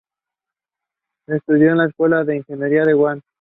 Estudió en la Escuela de Ingeniería de Wah.